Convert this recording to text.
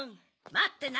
まってな！